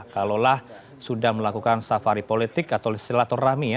kalaulah sudah melakukan safari politik atau silaturahmi ya